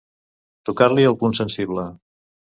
Tocar-li el punt sensible.